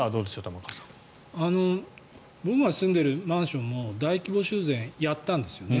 僕が住んでるマンションも大規模修繕、やったんですよね。